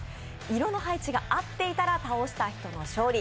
色の配置が合っていたら倒した人の勝利。